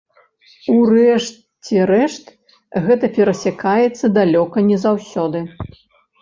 У рэшце рэшт гэта перасякаецца далёка не заўсёды.